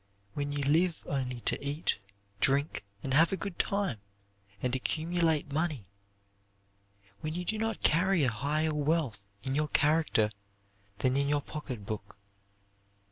When you live only to eat, drink, have a good time, and accumulate money. When you do not carry a higher wealth in your character than in your pocketbook.